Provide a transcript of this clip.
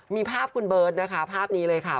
มีภาพคุณเบิร์ตนะคะภาพนี้เลยค่ะ